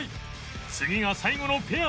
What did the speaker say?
次が最後のペア